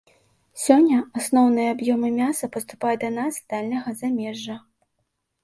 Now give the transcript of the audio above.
Сёння асноўныя аб'ёмы мяса паступаюць да нас з дальняга замежжа.